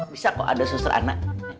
bisa kok ada sester anna